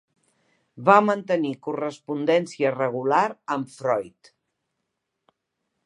Va mantenir correspondència regular amb Freud.